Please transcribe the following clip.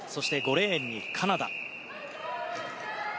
５レーンにカナダ。